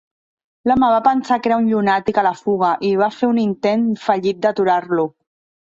L'home va pensar que era un llunàtic a la fuga i va fer un intent fallit d'aturar-lo.